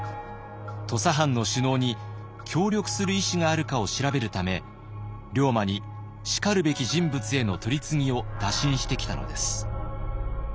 土佐藩の首脳に協力する意思があるかを調べるため龍馬にしかるべき人物への取り次ぎを打診してきたのです。